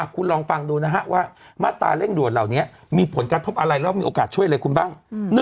คุณลองฟังดูนะฮะว่ามาตราเร่งด่วนเหล่านี้มีผลกระทบอะไรแล้วมีโอกาสช่วยอะไรคุณบ้าง